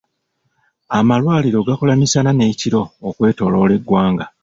Amalwaliro gakola misana n'ekiro okwetooloola eggwanga.